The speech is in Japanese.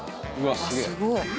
すごい。